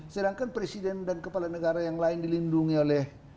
sedangkan presiden dan kepala negara yang lain dilindungi oleh